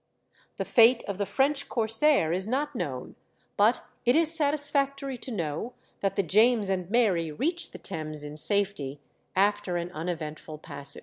The fate of the French corsair is not known, but it is satisfactory to know that the James and Mary reached the Thames in safety after an uneventful passage.